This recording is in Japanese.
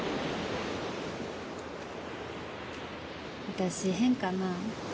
私変かなぁ？